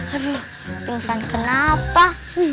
aduh pingsan kenapa